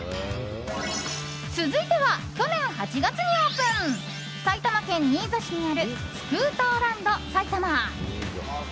続いては、去年８月にオープン埼玉県新座市にあるスクーターランド埼玉。